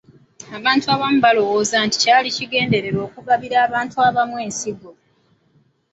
Abantu abamu baalowooza nti kyali kigenderere okugabira abantu abalondemu ensigo .